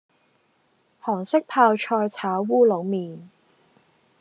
韓式泡菜炒烏龍麵